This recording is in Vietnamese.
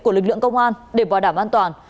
của lực lượng công an để bảo đảm an toàn